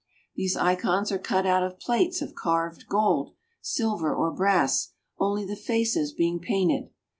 These icons are cut out of plates of carved gold, silver, or brass, only the faces being painted.